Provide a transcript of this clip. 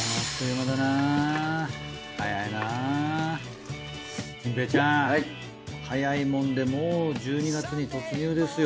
心平ちゃん早いもんでもう１２月に突入ですよ。